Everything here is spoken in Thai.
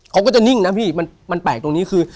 เขาก็จะนิ่งนะพี่มันแปลกตรงนี้คือ